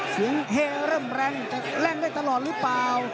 เสียงเห้เริ่มแรงแต่แรงได้ตลอดรึเปล่า